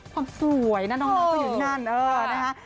ความสวยนะน้องน้องก็อยู่ที่นั่น